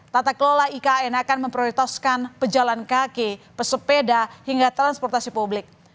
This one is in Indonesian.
tata kelola ikn akan memprioritaskan pejalan kaki pesepeda hingga transportasi publik